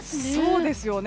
そうですよね。